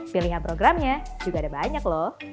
pilihan programnya juga ada banyak loh